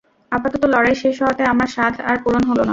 আপাতত লড়াই শেষ হওয়াতে আমার সাধ আর পূরণ হল না।